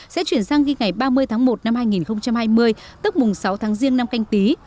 sẽ chuyển sang ghi ngày ba mươi tháng một năm hai nghìn hai mươi tức mùng sáu tháng riêng năm canh tí